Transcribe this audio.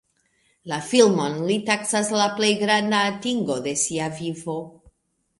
La filmon li taksas la plej granda atingo de sia vivo.